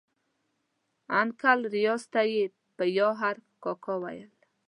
انکل ریاض ته یې په ي عرف کاکا ویل.